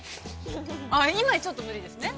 今ちょっと無理ですね。